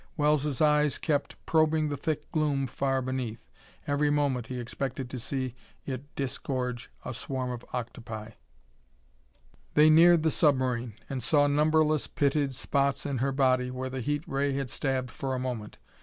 Wells' eyes kept probing the thick gloom far beneath. Every moment he expected to see it disgorge a swarm of octopi. They neared the submarine, and saw numberless pitted spots in her body, where the heat ray had stabbed for a moment.